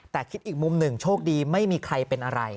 แต่คิดอีกมุมหนึ่งโชคดีไม่มีใครเป็นอะไร